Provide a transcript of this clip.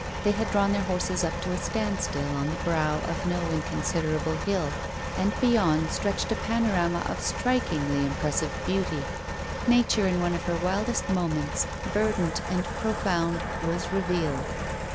They had drawn their horses up to a standstill on the brow of no inconsiderable hill, and beyond stretched a panorama of strikingly impressive beauty. Nature in one of her wildest moments, verdant and profound, was revealed.